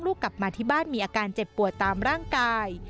กลับมาที่บ้านมีอาการเจ็บปวดตามร่างกาย